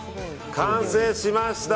完成しました！